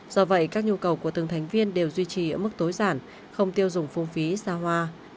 do vậy các nhu cầu của từng thành viên đều duy trì ở mức tối giản không tiêu dùng phu phí ra hoa